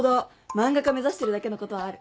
漫画家目指してるだけのことはある。